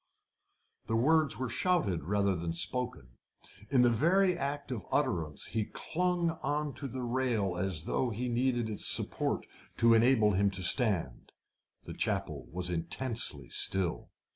The words were shouted rather than spoken. In the very act of utterance he clung on to the rail as though he needed its support to enable him to stand. The chapel was intensely still.